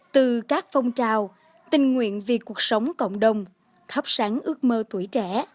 từ các phong trào tình nguyện vì cuộc sống cộng đồng thắp sáng ước mơ tuổi trẻ